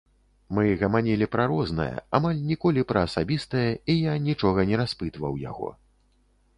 Мы гаманілі пра рознае, амаль ніколі пра асабістае і я нічога не распытваў яго.